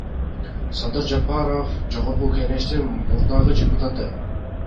Садыр Жапаров — Жогорку Кеңештин мурдагы депутаты.